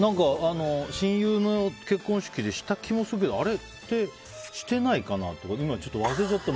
親友の結婚式でした気もするけどあれってしてないかなとか今、忘れちゃった。